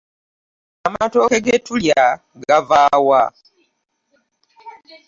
Amatooke ge tulya gava wa?